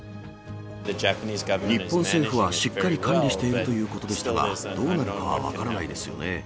日本政府はしっかり管理しているということでしたが、どうなるかは分からないですよね。